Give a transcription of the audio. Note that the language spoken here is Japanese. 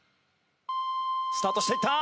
スタートしていった！